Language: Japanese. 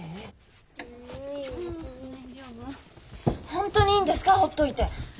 本当にいいんですかほっといて。